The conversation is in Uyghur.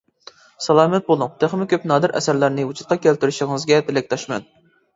سالامەت بولۇڭ، تېخىمۇ كۆپ نادىر ئەسەرلەرنى ۋۇجۇدقا كەلتۈرۈشىڭىزگە تىلەكداشمەن.